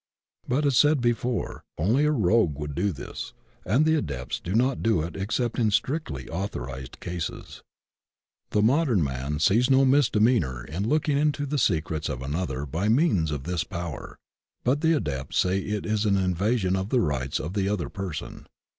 But, as said before, only a rogue would do this, and the Adepts do not do it except in strictly authorized cases. The modem man sees no misdemeanor in looking into the secrets of another by means of this power, but the Adepts say it is an invasion of the ri^ts of the other person.